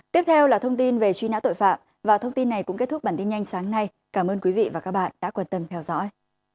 tiếp theo là thông tin về truy nã tội phạm và thông tin này cũng kết thúc bản tin nhanh sáng nay cảm ơn quý vị và các bạn đã quan tâm theo dõi